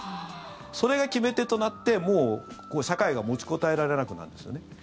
それが決め手となってもう社会が持ちこたえられなくなるんですよね。